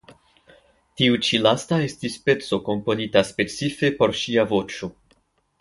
Tiu ĉi lasta estis peco komponita specife por ŝia voĉo.